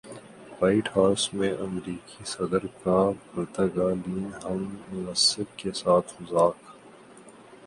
white house میں امریکی صدر کا پرتگالین ہم منصب کے ساتھ مذاق